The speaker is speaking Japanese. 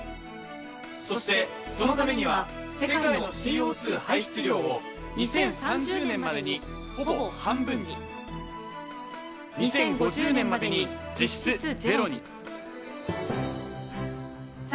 そしてそのためには世界のＣＯ排出量を２０３０年までにほぼ半分に２０５０年までに実質０に。